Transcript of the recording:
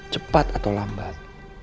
cepat atau lambat